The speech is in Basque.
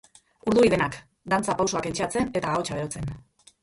Urduri denak, dantza pausoak entseatzen eta ahotsa berotzen.